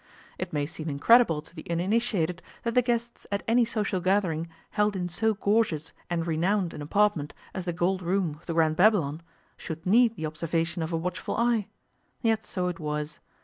It may seem incredible to the uninitiated that the guests at any social gathering held in so gorgeous and renowned an apartment as the Gold Room of the Grand Babylon should need the observation of a watchful eye. Yet so it was.